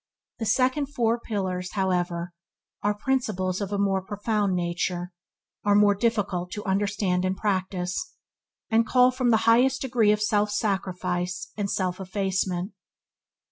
The second four pillars, however, are principles of a more profound nature, are more difficult to understand and practice, and call from the highest degree of self sacrifice and self effacement.